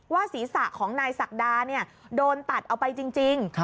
ศีรษะของนายศักดาโดนตัดเอาไปจริง